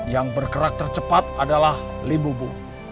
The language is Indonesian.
yang bergerak tercepat adalah lim bubu